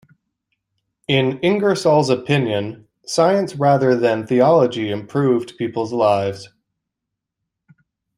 In Ingersoll's opinion science rather than theology improved people's lives.